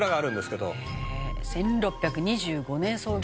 「へえ１６２５年創業」